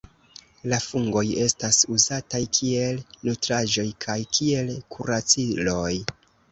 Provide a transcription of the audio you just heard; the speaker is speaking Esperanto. La fungoj estas uzataj kiel nutraĵoj kaj kiel kuraciloj.